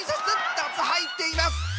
２つ入っています！